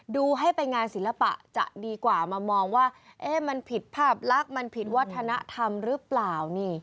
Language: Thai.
ดูให้เป็นงานศิลปะจะดีกว่ามามองว่ามันผิดภาพลักษณ์มันผิดวัฒนธรรมหรือเปล่า